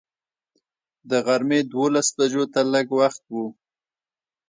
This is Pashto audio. د غرمې دولس بجو ته لږ وخت و.